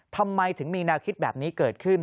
ทำไมถึงมีแนวคิดแบบนี้เกิดขึ้น